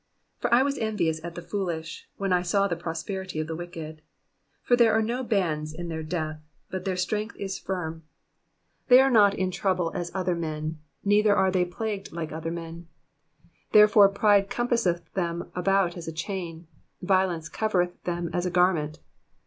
3 For 1 was envious at the foolish, when I saw the prosperity of the wicked. 4 For tliere are no bands in their death : but their strength is firm. 5 They are not in trouble as other men ; neither are they plagued like other men. 6 Therefore pride compasseth them about as a chain ; violence covereth them as a garment.